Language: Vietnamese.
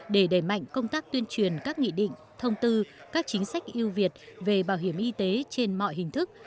để đẩy mạnh công tác tuyên truyền các nghị định thông tư các chính sách yêu việt về bảo hiểm y tế trên mọi hình thức